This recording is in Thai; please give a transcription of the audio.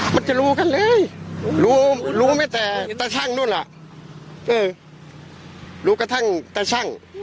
มันจะรู้กันเลยรู้รู้ไหมแต่ตาชั่งนู่นล่ะเออรู้กระทั่งตาชั่ง